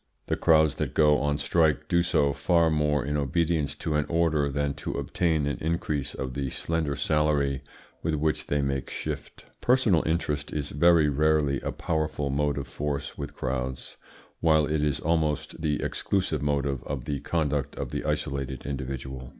The crowds that go on strike do so far more in obedience to an order than to obtain an increase of the slender salary with which they make shift. Personal interest is very rarely a powerful motive force with crowds, while it is almost the exclusive motive of the conduct of the isolated individual.